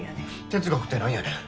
哲学って何やねん。